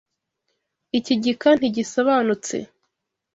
Iki gika ntigisobanutse.